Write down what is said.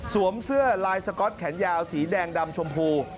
เสื้อลายสก๊อตแขนยาวสีแดงดำชมพู